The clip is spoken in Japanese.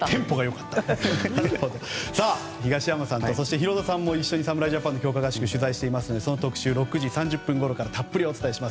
東山さんとヒロドさんも一緒に侍ジャパンの強化合宿を取材していますがその特集、６時３０分ごろからたっぷりお伝えします。